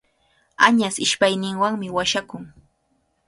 Añas ishpayninwanmi washakun.